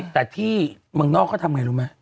แต่ที่เมืองนอกเขาทำไงรู้ไหม